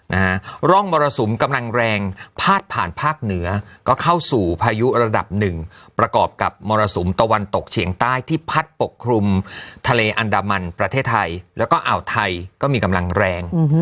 ร่องมรสุมกำลังแรงพาดผ่านภาคเหนือก็เข้าสู่พายุระดับหนึ่งประกอบกับมรสุมตะวันตกเฉียงใต้ที่พัดปกคลุมทะเลอันดามันประเทศไทยแล้วก็อ่าวไทยก็มีกำลังแรง